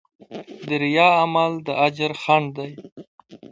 د ریا عمل د اجر خنډ دی.